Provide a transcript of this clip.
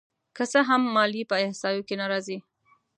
که څه هم ماليې په احصایو کې نه راځي